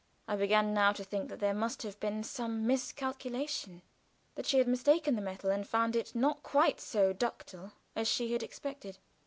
I began now to think that there must have been some miscalculation that she had mistaken the metal and found it not quite so ductile as she had expected.